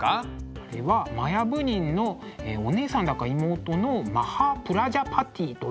あれは摩耶夫人のお姉さんだか妹のマハー・プラジャーパティーという人です。